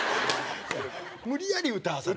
無理やり歌わされる。